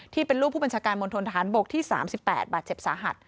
ที่เป็นรูปผู้บรรชการโมนทนฐานบกที่๓๘บเช็ปสาหัส